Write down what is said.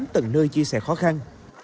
từng nơi chia sẻ khó khăn